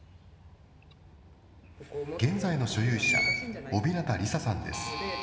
現在の所有者、尾日向梨沙さんです。